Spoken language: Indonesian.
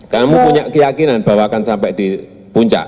kamu punya keyakinan bahwa akan sampai di puncak